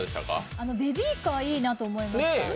ベビーカーいいなと思いました。